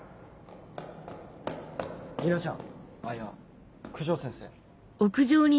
里奈ちゃんあっいや九条先生。